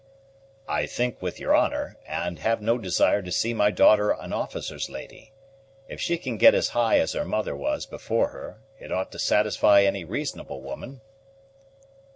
"I think with your honor, and have no desire to see my daughter an officer's lady. If she can get as high as her mother was before her, it ought to satisfy any reasonable woman."